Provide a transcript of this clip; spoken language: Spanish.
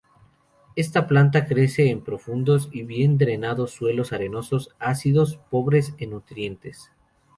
Esta planta crece en profundos y bien drenados, suelos arenosos, ácidos, pobres en nutrientes.